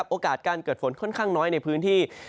โอกาสการเกิดฝนค่อนข้างน้อยในพื้นที่